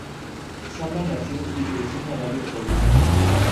Samba nació y creció en Arabia Saudita.